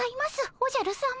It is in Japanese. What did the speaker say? おじゃるさま。